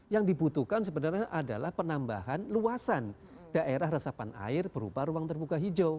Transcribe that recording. yang dibutuhkan sebenarnya adalah penambahan luasan daerah resapan air berupa ruang terbuka hijau